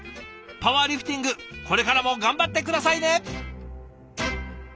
パワーリフティングこれからも頑張って下さいね！